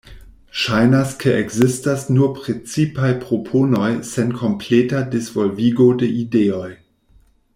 Ŝajnas ke ekzistas nur precipaj proponoj sen kompleta disvolvigo de ideoj.